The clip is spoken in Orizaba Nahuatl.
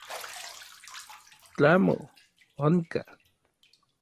Tlamo, onka.